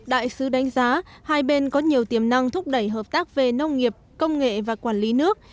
đại sứ đánh giá hai bên có nhiều tiềm năng thúc đẩy hợp tác về nông nghiệp công nghệ và quản lý nước